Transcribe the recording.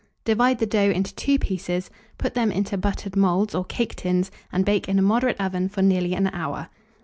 Divide the dough into two pieces, put them into buttered moulds or cake tins, and bake in a moderate oven for nearly an hour.